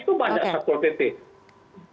tapi kalau kita lihat di ppkn